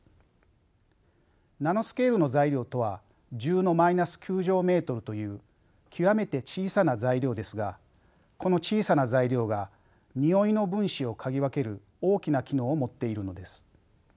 ナノスケールの材料とは１０のマイナス９乗メートルという極めて小さな材料ですがこの小さな材料がにおいの分子を嗅ぎ分ける大きな機能を持っているのです。